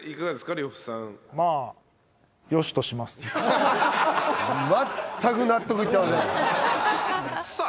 呂布さん全く納得いってませんさあ